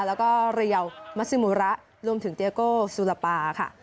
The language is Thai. แล้วก็เรียวมัสซิมูระรวมถึงเตียโก้สุรปาค่ะ